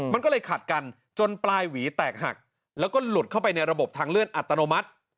มันก็เลยขัดกันจนปลายหวีแตกหักแล้วก็หลุดเข้าไปในระบบทางเลื่อนอัตโนมัติ